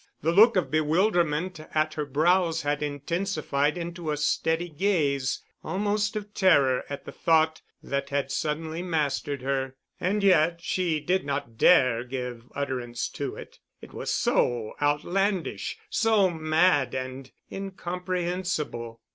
The look of bewilderment at her brows had intensified into a steady gaze, almost of terror at the thought that had suddenly mastered her. And yet she did not dare give utterance to it. It was so outlandish, so mad and incomprehensible.